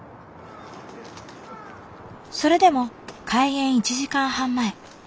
それでも開園１時間半前。